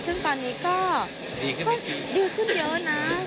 ซึ่งตอนนี้ก็ดีขึ้นเยอะนะ